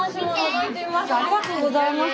ありがとうございます。